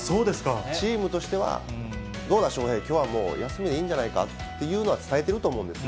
チームとしては、どうだ翔平、きょうはもう休みでいいんじゃないかというのは伝えてると思うんです。